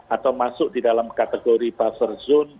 atau masuk di dalam kategori buffer zone